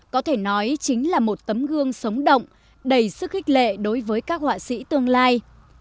có thể nói chính là một tấm gương sống động đầy sức khích lệ đối với các họa sĩ tương lai